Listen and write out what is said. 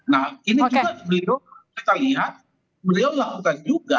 nah ini juga beliau kita lihat beliau lakukan juga